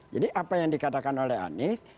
jadi apa yang dikatakan oleh anies